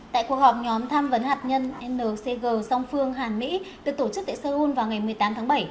tại cuộc họp nhóm tham vấn hạt nhân ncg song phương hàn mỹ được tổ chức tại seoul vào ngày một mươi tám tháng bảy